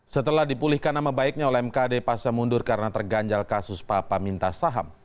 setelah dipulihkan nama baiknya oleh mkd pasca mundur karena terganjal kasus papa minta saham